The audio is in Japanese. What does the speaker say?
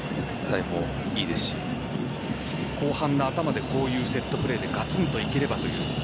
後半の頭でこういうセットプレーガツンといければという。